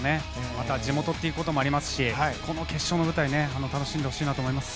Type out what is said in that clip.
また地元ということもありますし決勝の舞台楽しんでほしいなと思います。